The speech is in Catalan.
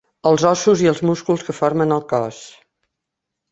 Els ossos i els músculs que formen el cos.